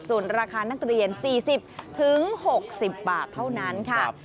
ส่วนราคานักเรียน๔๐๖๐บาทเท่านั้นค่ะ